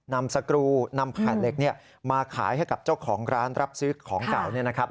สกรูนำแผ่นเหล็กมาขายให้กับเจ้าของร้านรับซื้อของเก่าเนี่ยนะครับ